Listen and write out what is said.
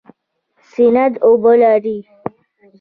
سیند اوبه لري